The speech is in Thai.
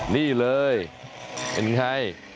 นี่เลยเป็นไง